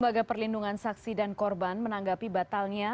lembaga perlindungan saksi dan korban menanggapi batalnya